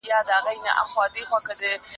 شاعر له طبیعت سره د یو ملګري په څېر چلند کوي.